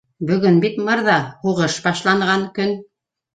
Бөгөн бит, мырҙа, һуғыш башланған көн